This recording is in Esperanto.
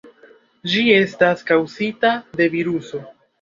Ĝi estas kaŭzita de viruso.